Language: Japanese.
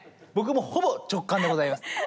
ボクもほぼ直感でございます。